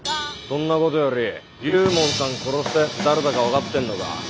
そんなことより龍門さん殺したやつ誰だか分かってんのか？